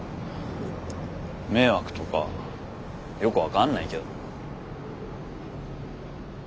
迷惑とかよく分かんないけど。